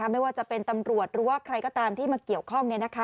ไม่ว่าจะเป็นตำรวจหรือว่าใครก็ตามที่มาเกี่ยวข้อง